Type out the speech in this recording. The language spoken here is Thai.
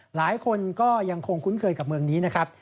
หลายคนก็ยังคงคุ้นเคยกับเมืองนี้นะครับ